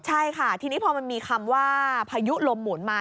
ใช่ค่ะทีนี้พอมันมีคำว่าพายุลมหมุนมา